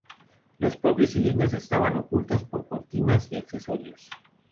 Los propios cilindros estaban ocultos por cortinas y accesorios.